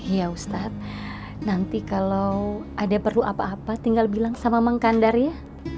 iya ustadz nanti kalau ada perlu apa apa tinggal bilang sama mang kandar ya